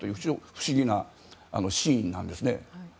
不思議なシーンなんですね。